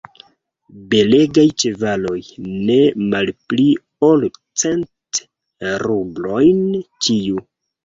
Belegaj ĉevaloj, ne malpli ol cent rublojn ĉiu!